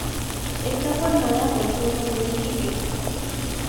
Está formada por cinco municipios.